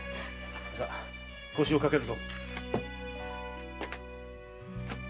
さあ腰を掛けるぞ。